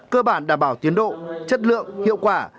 cơ bản đảm bảo tiến độ chất lượng hiệu quả